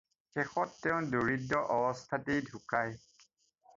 শেষত তেওঁ দৰিদ্ৰ অৱস্থাতেই ঢুকায়